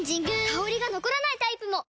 香りが残らないタイプも！